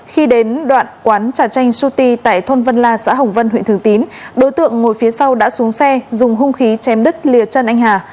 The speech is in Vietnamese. khi đến đoạn quán trà chanh suti tại thôn vân la xã hồng vân huyện thường tín đối tượng ngồi phía sau đã xuống xe dùng hung khí chém đứt lìa chân anh hà